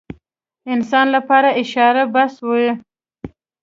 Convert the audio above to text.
انسان لپاره اشاره بس وي.